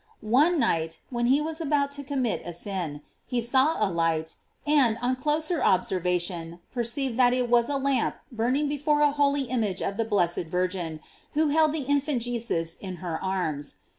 One night, when he was about to commit a sin, he saw a light, and, on closer observation, perceived that it was a lamp burning before a holy image of the blessed Virgin, who held the infant Jesus in her arms.